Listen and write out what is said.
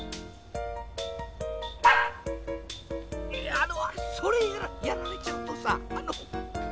あのそれやられちゃうとさあの。